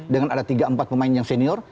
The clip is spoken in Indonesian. dengan ada tiga empat pemain yang senior